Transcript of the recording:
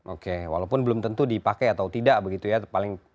oke walaupun belum tentu dipakai atau tidak begitu ya